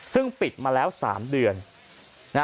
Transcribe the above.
ซึ่งปิดมาแล้ว๓เดือน